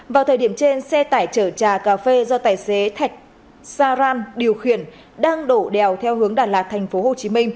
vào thời điểm trên xe tải chở trà cà phê do tài xế thạch saram điều khiển đang đổ đèo theo hướng đà lạt tp hcm